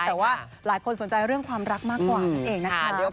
แต่ว่าหลายคนสนใจเรื่องความรักมากกว่านั่นเองนะคะ